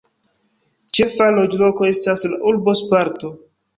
Ĉefa loĝloko estas la urbo "Sparto".